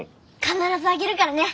必ずあげるからね！